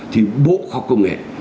thì bộ khoa học công nghệ